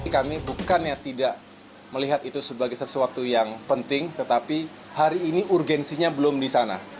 kami bukannya tidak melihat itu sebagai sesuatu yang penting tetapi hari ini urgensinya belum di sana